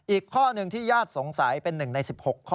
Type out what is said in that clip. อีกข้อหนึ่งที่ญาติสงสัยเป็น๑ใน๑๖ข้อ